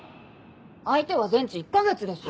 相手は全治１カ月です。